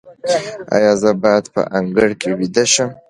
ایا زه باید په انګړ کې ویده شم؟